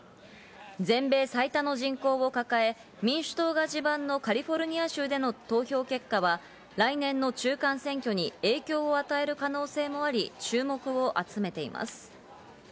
全米最多の人口を抱え、民主党が地盤のカリフォルニア州での投票結果は来年の中間選挙に影響を与える可能性もあり、注目を集めています。